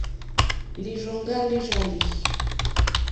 Lírzòŋɡá lìrzàlì.